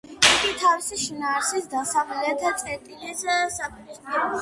იგი თავისი შინაარსით დასავლეთის წერტილის საპირისპიროა.